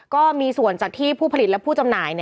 ก็มีส่วนจากที่ผู้ผลิตและผู้จำหน่าย